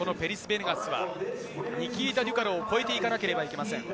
ニキータ・デュカロを超えていかなければいけません。